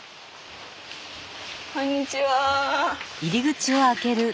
こんにちは。